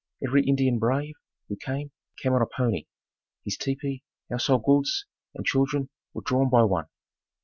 Every Indian brave, who came, came on a pony. His tepee, household goods and children were drawn by one.